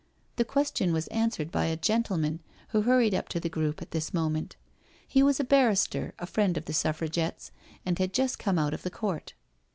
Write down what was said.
The question was answered by a gentleman who hurried up to the group at this moment. He was a barrister, a friend of the SuffragetteSj and had just come out of the court.